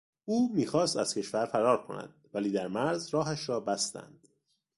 او میخواست از کشور فرار کند ولی در مرز راهش را بستند.